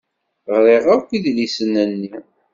Ɣriɣ akk idlisen-nni.